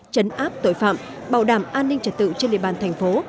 chấn áp tội phạm bảo đảm an ninh trật tự trên địa bàn thành phố